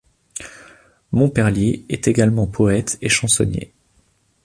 Monperlier est également poète et chansonnier.